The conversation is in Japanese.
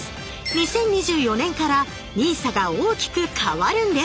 ２０２４年からＮＩＳＡが大きく変わるんです。